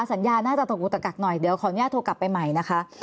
สัญญาน่าจะตกอุตกักหน่อยเดี๋ยวขออนุญาตโทรกลับไปใหม่นะคะ